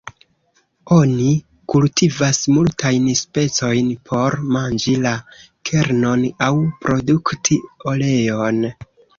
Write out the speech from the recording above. Oni kultivas multajn specojn por manĝi la kernon aŭ produkti oleon.